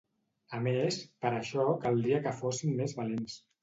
A més, per a això caldria que fossin més valents.